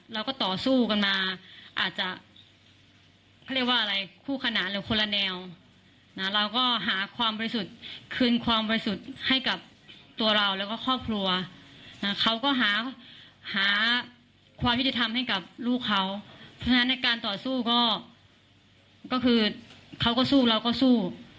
ลูกเขาฉะนั้นในการต่อสู้ก็คือเขาก็สู้เราก็สู้